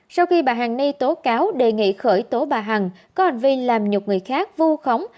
sau khi bà hằng ni tố cáo đề nghị khởi tố bà hằng có hành vi làm nhục người khác vu khống